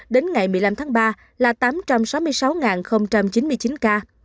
đến ngày một mươi năm tháng ba là tám trăm sáu mươi sáu chín mươi chín ca